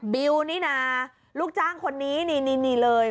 บิวนี่นะลูกจ้างคนนี้นี่เลย